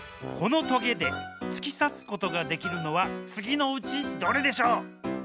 このトゲでつきさすことができるのはつぎのうちどれでしょう？